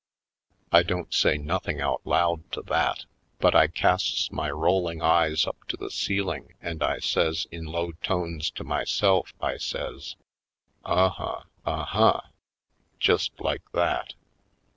I don't say nothing out loud to that. But I casts my rolling eyes up to the ceiling and I says in low tones to myself, I says: ''Uh huh, uh huh!" just like that.